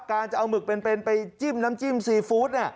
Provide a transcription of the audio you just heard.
การจะเอาหมึกเป็นไปจิ้มน้ำจิ้มซีฟู้ด